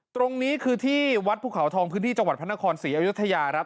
ตรงนี้คือที่วัดภูเขาทองพื้นที่จังหวัดพระนครศรีอยุธยาครับ